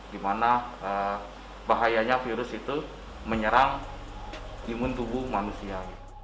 di mana bahayanya virus itu menyerang imun tubuh manusia